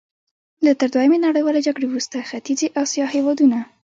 لکه تر دویمې نړیوالې جګړې وروسته ختیځې اسیا هېوادونه.